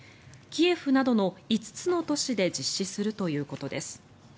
キエフなどの５つの都市で実施するということです。